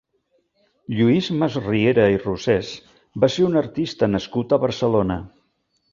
Lluís Masriera i Rosés va ser un artista nascut a Barcelona.